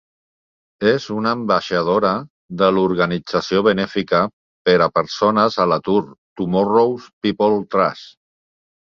És una ambaixadora de l'organització benefica per a persones a l'atur Tomorrow's People Trust.